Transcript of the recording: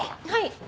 はい。